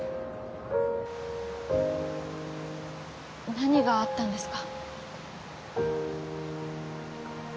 何があったんですか？